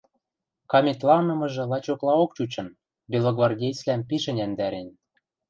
Каметьланымыжы лачоклаок чучын, белогвардеецвлӓм пиш ӹняндӓрен.